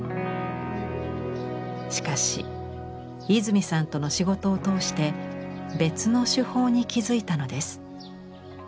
しかし和泉さんとの仕事を通して別の手法に気付いたのです。